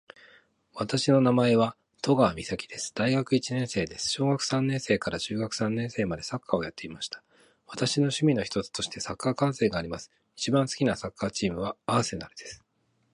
私の名前は登川岬です。大学一年生です。小学三年生から中学三年生までサッカーをやっていました。私の趣味の一つとしてサッカー観戦があります。一番好きなサッカーチームは、アーセナルです。